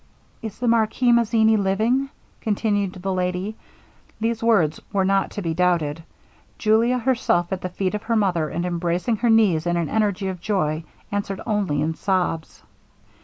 'Is the marquis Mazzini living?' continued the lady. These words were not to be doubted; Julia threw herself at the feet of her mother, and embracing her knees in an energy of joy, answered only in sobs.